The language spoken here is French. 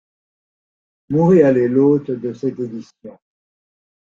Montréal est l'hôte de cette édition.